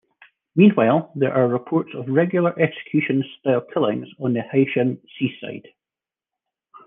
Meanwhile, there are reports of regular execution-style killings on the Haitian seaside.